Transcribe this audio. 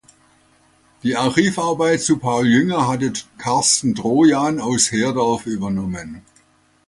Die Archivarbeit zu Paul Jünger hatte Carsten Trojan aus Herdorf übernommen.